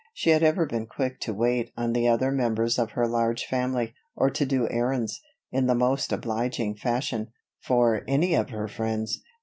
She had ever been quick to wait on the other members of her large family; or to do errands, in the most obliging fashion, for any of her friends.